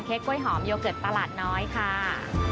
กล้วยหอมโยเกิร์ตประหลาดน้อยค่ะ